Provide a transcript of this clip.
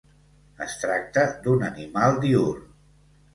Es tracta d'un animal diürn.